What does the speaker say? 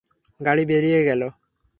গাড়ি বেরিয়ে গেলো।